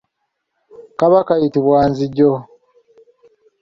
Kaba kayitibwa nzijo.